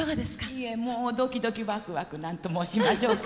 いえもうドキドキワクワク何と申しましょうか。